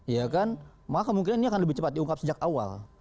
ya kan maka kemungkinan ini akan lebih cepat diungkap sejak awal